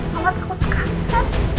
mama takut sekali sa